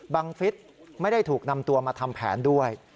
ฟิศไม่ได้ถูกนำตัวมาทำแผนด้วย